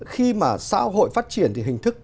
khi mà xã hội phát triển thì hình thức